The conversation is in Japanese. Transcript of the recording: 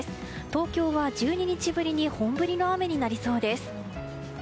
東京は、１２日ぶりに本降りの雨になりそうです。